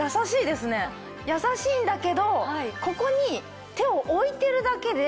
やさしいんだけどここに。